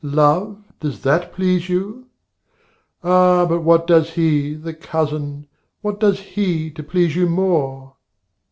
Love, does that please you? Ah, but what does he, The Cousin! what does he to please you more?